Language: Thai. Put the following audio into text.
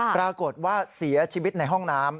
ปรากฏว่าเสียชีวิตในห้องน้ำ